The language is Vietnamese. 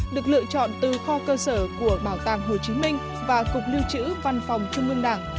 được lựa chọn từ kho cơ sở của bảo tàng hồ chí minh và cục lưu trữ văn phòng trung ương đảng